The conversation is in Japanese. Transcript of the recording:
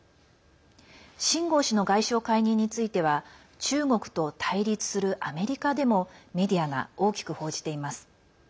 秦剛氏の外相解任については中国と対立するアメリカでもメディアが大きく報じています。